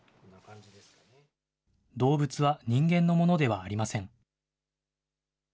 動物は人間のものではありません。